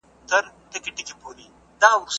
موږ یوازې په ټولنه کي کمال ته رسېږو.